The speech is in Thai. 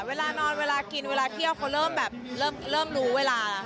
เวลานอนเวลากินเวลาเที่ยวเขาเริ่มรู้เวลา